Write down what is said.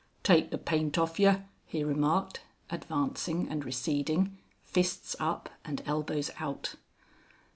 "Take the paint off yer," he remarked, advancing and receding, fists up and elbows out.